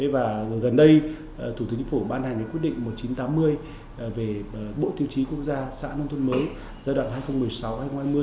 và gần đây thủ tướng chính phủ ban hành quyết định một nghìn chín trăm tám mươi về bộ tiêu chí quốc gia xã nông thôn mới giai đoạn hai nghìn một mươi sáu hai nghìn hai mươi